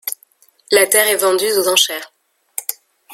La terre est vendue aux enchères.